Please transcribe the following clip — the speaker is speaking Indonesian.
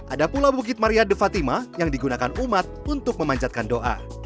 ada pula bukit maria de fatima yang digunakan umat untuk memanjatkan doa